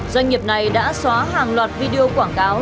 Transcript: doanh nghiệp này đã xóa hàng loạt video quảng cáo